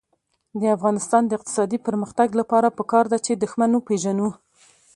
د افغانستان د اقتصادي پرمختګ لپاره پکار ده چې دښمن وپېژنو.